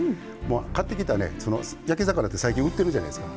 買ってきた、焼き魚最近、売ってるじゃないですか。